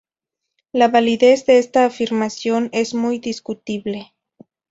La validez de esta afirmación es muy discutible.